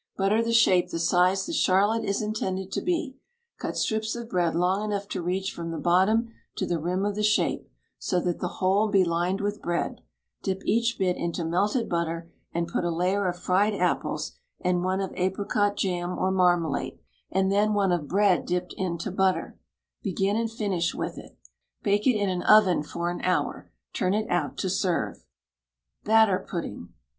Butter the shape the size the Charlotte is intended to be; cut strips of bread long enough to reach from the bottom to the rim of the shape, so that the whole be lined with bread; dip each bit into melted butter, and put a layer of fried apples, and one of apricot jam or marmalade, and then one of bread dipped into butter; begin and finish with it. Bake it in an oven for an hour. Turn it out to serve. BATTER PUDDING.